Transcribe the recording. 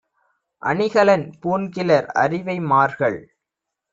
அணிகலன் பூண்கிலர் அரிவை மார்கள்!